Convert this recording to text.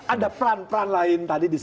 ada peran peran lain tadi disebut